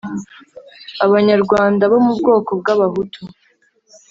abanyarwanda bo mu bwoko bw'abahutu.